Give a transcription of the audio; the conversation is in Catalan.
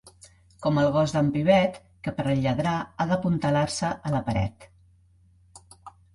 Com el gos d'en Pivet, que per lladrar ha d'apuntalar-se a la paret.